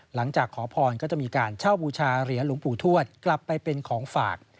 หลังจากขอพรก็จะมีการเช่าบูชาเหรียญหลวงปู่ทวดกลับไปเป็นของฝาก